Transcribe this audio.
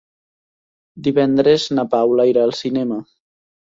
Divendres na Paula irà al cinema.